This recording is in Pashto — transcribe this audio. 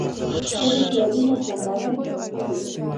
• ته د خیالونو خوندور مسافر یې.